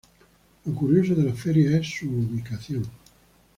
Lo curioso de la feria es su ubicación.